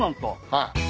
はい。